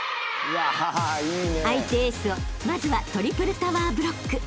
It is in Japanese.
［相手エースをまずはトリプルタワーブロック］